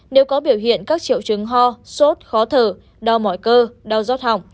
nếu có biểu hiện các triệu chứng ho sốt khó thở đau mỏi cơ